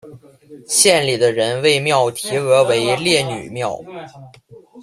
县里的人为庙题额为烈女庙。